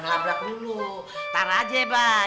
labrak dulu taruh aja ya abah